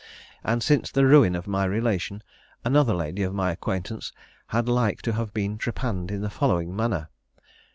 And since the ruin of my relation, another lady of my acquaintance had like to have been trepanned in the following manner.